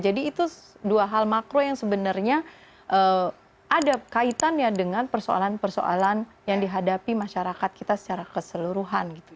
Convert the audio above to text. jadi itu dua hal makro yang sebenarnya ada kaitannya dengan persoalan persoalan yang dihadapi masyarakat kita secara keseluruhan gitu